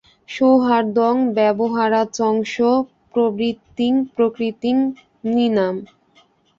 সৌহার্দ্যং ব্যবহারাংশ্চ প্রবৃত্তিং প্রকৃতিং নৃণাম্।